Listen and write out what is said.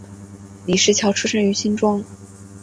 李石樵出生于新庄